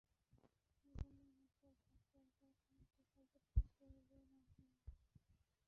গা-মাখা ঝোল থাকতে ওপরে খানিকটা সরিষার তেল ছড়িয়ে দিয়ে নামিয়ে নিন।